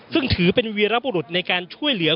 ซึ่งถือเป็นวีรบุรุษในการช่วยเหลือ